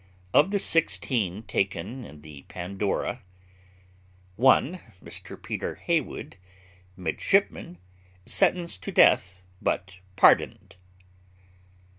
Of the sixteen taken in the Pandora: 1. Mr PETER HEYWOOD, midshipman, } sentenced to death, but pardoned.